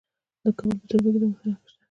د کابل په سروبي کې د مسو نښې شته.